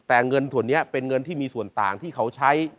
แต่เงินส่วนนี้เป็นเงินที่มีส่วนต่างที่เขาใช้